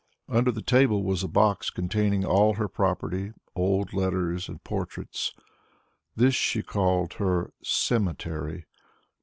Under the table was a box containing all her property, old letters and portraits. This she called her "cemetery."